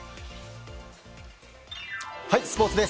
スポーツです。